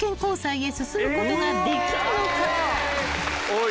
おい。